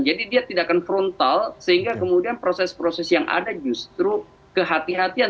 jadi dia tidak akan frontal sehingga kemudian proses proses yang ada justru kehatian hatian